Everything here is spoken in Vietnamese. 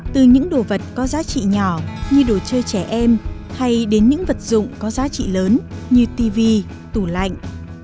từ những đồ vật có giá trị nhỏ như đồ chơi trẻ em hay đến những vật dụng có giá trị lớn như tv tủ lạnh